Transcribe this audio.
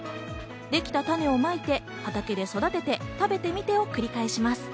できた種をまいて畑で育てて食べてみてを繰り返します。